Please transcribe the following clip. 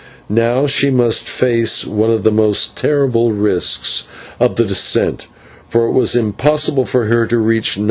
Now she must face one of the most terrible risks of the descent, for it was impossible for her to reach No.